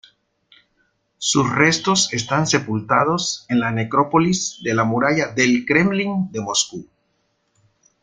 Sus restos están sepultados en la Necrópolis de la Muralla del Kremlin de Moscú.